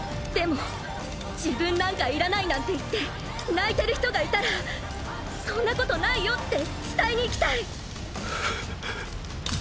でも自分なんかいらないなんて言って泣いてる人がいたらそんなことないよって伝えに行きたい。